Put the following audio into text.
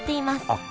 あっ